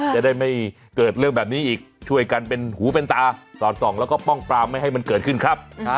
จะได้ไม่เกิดเรื่องแบบนี้อีกช่วยกันเป็นหูเป็นตาสอดส่องแล้วก็ป้องปรามไม่ให้มันเกิดขึ้นครับ